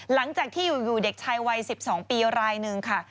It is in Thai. หลังจากที่อยู่เด็กชายวัย๑๒ปีรายหนึ่งค่ะ